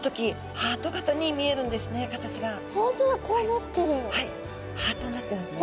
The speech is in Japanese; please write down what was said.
ハートになってますね。